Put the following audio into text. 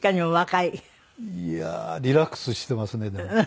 いやあリラックスしてますねでも。